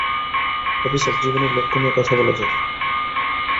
Officer, জীবনের লক্ষ্য নিয়ে কথা বলা যাক।